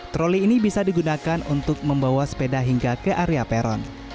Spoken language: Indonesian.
troli ini bisa digunakan untuk membawa sepeda hingga ke area peron